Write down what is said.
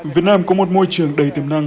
việt nam có một môi trường đầy tiềm năng